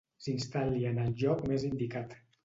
S'instal·li en el lloc més indicat.